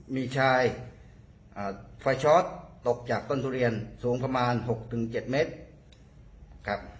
มีชายไฟช็อตตกจากต้นทุเรียนสูงประมาณ๖๗เมตรครับ